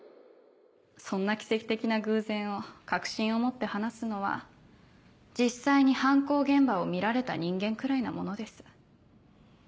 そんな奇跡的な偶然を確信を持って話すのは実際に犯行現場を見られた人間くらいなものです。